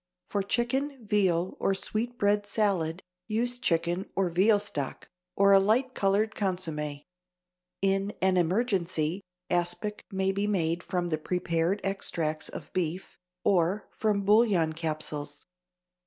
For chicken, veal or sweetbread salad, use chicken or veal stock, or a light colored consommé. In an emergency, aspic may be made from the prepared extracts of beef, or from bouillon capsules.